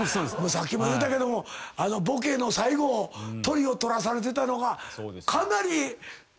さっきも言うたけどもボケの最後トリを取らされてたのがかなり影響してんのやろな。